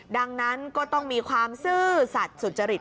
ดังนั้นก็ต้องมีความซื่อสัตว์สุจริต